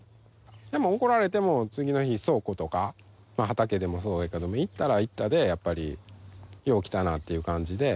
でも怒られても次の日倉庫とか畑でもそうやけども行ったら行ったでやっぱり「よう来たな！」っていう感じで。